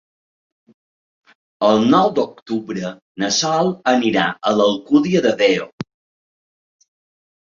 El nou d'octubre na Sol anirà a l'Alcúdia de Veo.